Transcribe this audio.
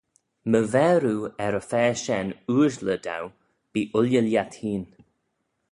My ver oo er-y-fa shen ooashley dou bee ooilley lhiat hene.